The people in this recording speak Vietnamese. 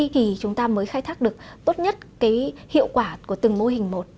thì chúng ta mới khai thác được tốt nhất cái hiệu quả của từng mô hình một